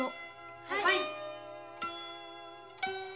はい。